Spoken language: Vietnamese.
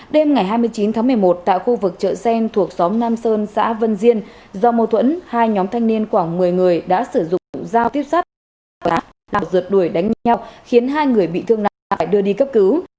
đêm ngày hai mươi chín tháng một mươi một tại khu vực chợ sen thuộc xóm nam sơn xã vân diên do mâu thuẫn hai nhóm thanh niên khoảng một mươi người đã sử dụng giao tiếp sát lát rượt đuổi đánh nhau khiến hai người bị thương nặng lại đưa đi cấp cứu